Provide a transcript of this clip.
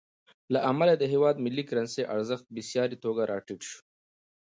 له امله یې د هېواد ملي کرنسۍ ارزښت بېساري توګه راټیټ شو.